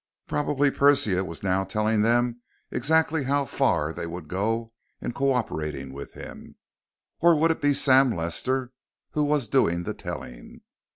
Probably Persia was now telling them exactly how far they would go in co operating with him. Or would it be Sam Lester who was doing the telling?